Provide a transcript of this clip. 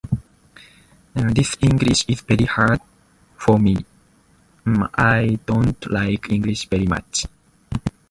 The loincloths used in the ceremonies of the tisserands of Assahoun are famous.